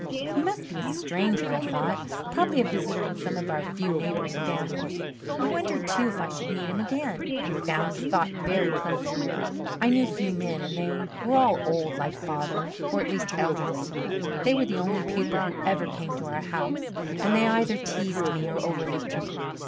He must be a stranger, I thought probably a visitor in some of our few neighbouring families. I wondered too if I should meet him again, and found the thought very pleasant. I knew few men and they were all old, like Father, or at least elderly. They were the only people who ever came to our house, and they either teased me or overlooked me.